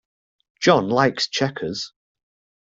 John likes checkers.